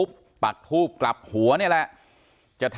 การแก้เคล็ดบางอย่างแค่นั้นเอง